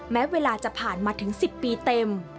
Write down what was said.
แม้เวลาจะผ่านมาถึง๑๐ปีเต็ม